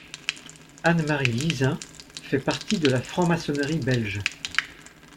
Anne-Marie Lizin fait partie de la franc-maçonnerie belge.